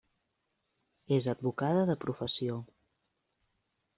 És advocada de professió.